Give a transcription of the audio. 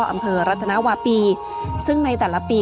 อำเภอรัฐนาวาปีซึ่งในแต่ละปี